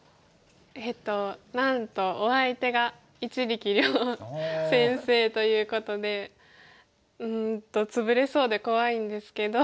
えっとなんとお相手が一力遼先生ということでツブれそうで怖いんですけど。